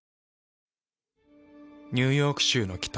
ニューヨーク州の北。